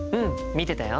見てたよ。